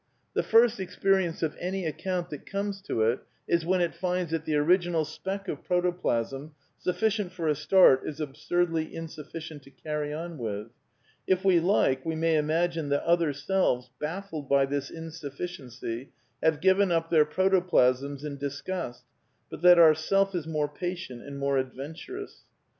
The first experience of any account that comes to it is when it finds that the original speck of protoplasm, sufficient for a start, is absurdly insufficient to carry on with. (If we like, we may imagine that other selves, baffled by this in sufficiency, have given up their protoplasms in disgust, but that our self is more patient and more adventurous.)